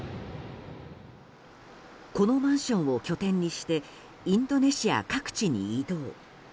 このマンションを拠点にしてインドネシア各地に移動。